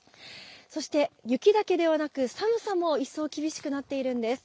そして雪だけではなく、寒さも一層厳しくなっているんです。